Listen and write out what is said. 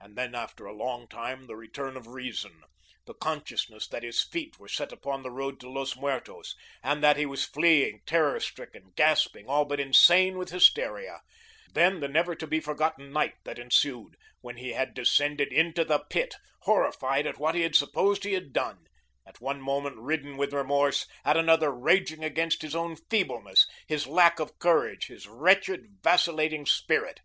And then after a long time the return of reason, the consciousness that his feet were set upon the road to Los Muertos, and that he was fleeing terror stricken, gasping, all but insane with hysteria. Then the never to be forgotten night that ensued, when he descended into the pit, horrified at what he supposed he had done, at one moment ridden with remorse, at another raging against his own feebleness, his lack of courage, his wretched, vacillating spirit.